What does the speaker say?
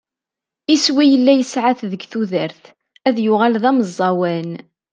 Iswi i yella yesεa-t deg tudert : ad yuɣal d ameẓẓawan.